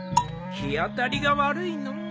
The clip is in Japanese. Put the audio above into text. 日当たりが悪いのう。